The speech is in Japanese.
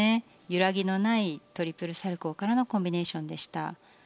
揺らぎのないトリプルサルコウからのコンビネーションでした。